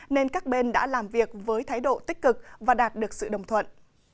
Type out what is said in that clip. nên các bên đã làm việc với thái độ tích cực và đạt được sự đồng thuận